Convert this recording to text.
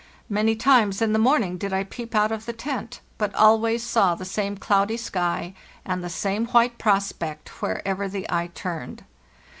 Many times in the morning did I peep out of the tent, but always saw the same cloudy sky and the same white prospect wherever the eye turned.